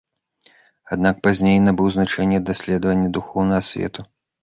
Аднак пазней набыў значэнне даследавання духоўнага свету.